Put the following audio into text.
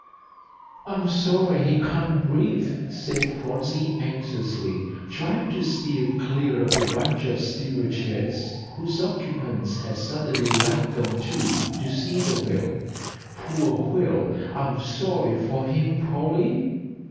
"I'm sorry he can't breathe," said Phronsie, anxiously trying to steer clear of the bunch of steamer chairs whose occupants had suddenly left them, too, to see the whale. "Poor whale I'm sorry for him, Polly."